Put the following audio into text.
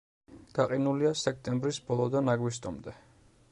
გაყინულია სექტემბრის ბოლოდან აგვისტომდე.